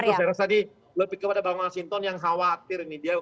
jadi pak feresadi lebih kepada bang mas hinton yang khawatir ini